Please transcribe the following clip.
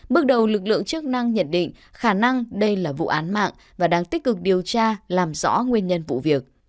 bước đầu lực lượng chức năng nhận định khả năng đây là vụ án mạng và đang tích cực điều tra làm rõ nguyên nhân vụ việc